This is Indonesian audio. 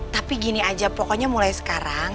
tapi gini aja pokoknya mulai sekarang